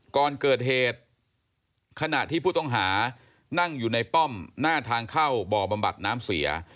ก่อนเกิดเหตุขณะที่ผู้ต้องหานั่งอยู่ในป้อมหน้าทางเข้าบ่อบำบัดน้ำเสีย